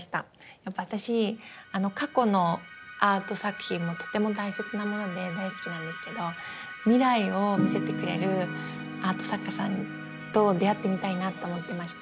やっぱ私過去のアート作品もとても大切なもので大好きなんですけど未来を見せてくれるアート作家さんと出会ってみたいなって思ってまして。